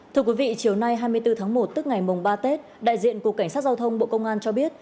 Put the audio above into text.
thưa quý vị chiều nay hai mươi bốn tháng một tức ngày mùng ba tết đại diện cục cảnh sát giao thông bộ công an cho biết